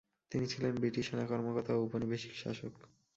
তিনি ছিলেন ব্রিটিশ সেনা কর্মকর্তা ও ঔপনিবেশিক শাসক।